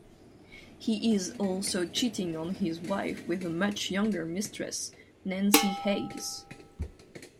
He is also cheating on his wife with a much younger mistress, Nancy Hayes.